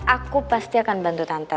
aku pasti akan bantu tante